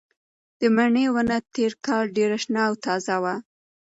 د مڼې ونه تېر کال ډېره شنه او تازه وه.